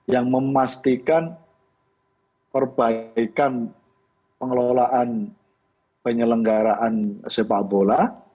yang memastikan perbaikan pengelolaan penyelenggaraan sepak bola